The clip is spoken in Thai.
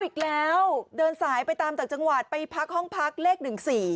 อีกแล้วเดินสายไปตามจากจังหวัดไปพักห้องพักเลข๑๔